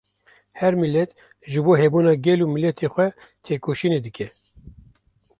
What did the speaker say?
Her milet ji bo hebûna gel û miletê xwe têkoşînê dike